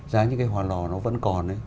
giá như cái hòa lò nó vẫn còn